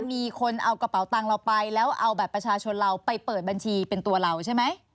มีคนเอากระเป๋าตังค์เราไปแล้วเอาบัตรประชาชนเราไปเปิดบัญชีเป็นตัวเราใช่ไหม